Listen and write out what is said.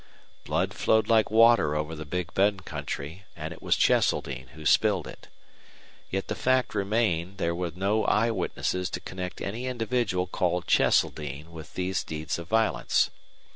Blood flowed like water over the Big Bend country, and it was Cheseldine who spilled it. Yet the fact remained there were no eye witnesses to connect any individual called Cheseldine with these deeds of violence.